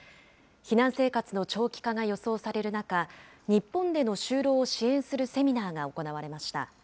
避難生活の長期化が予想される中、日本での就労を支援するセミナーが行われました。